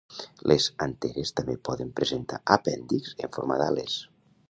Les anteres també poden presentar apèndixs en forma d'ales.